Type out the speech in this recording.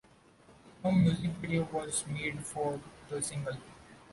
No music video was made for the single.